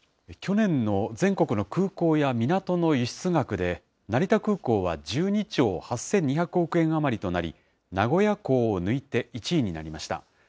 去年の全国の空港や港の輸出額で、成田空港は１２兆８２００億円余りとなり、名古屋港を抜いて１位になりました。